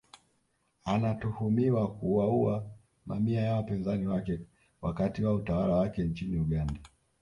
Anatuhumiwa kuwaua mamia ya wapinzani wake wakati wa utawala wake nchini Uganda